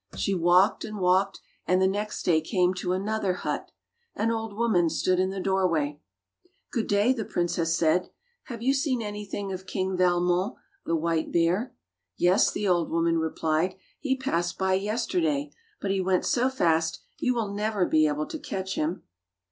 She walked and walked, and the next day came to another hut. An old woman stood in the doorway. "Good day," the princess said. "Have you seen anything of King Valmon the white bear.^^" "Yes," the old woman replied, "he passed by yesterday, but he went so fast you will never be able to catch him."